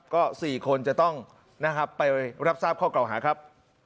ก็๔คนจะต้องนะครับไปรับทราบข้อเก่าหาครับ